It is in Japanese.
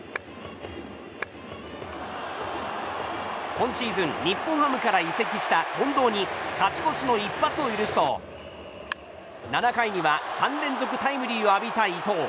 今シーズン日本ハムから移籍した、近藤に勝ち越しの一発を許すと７回には３連続タイムリーを浴びた伊藤。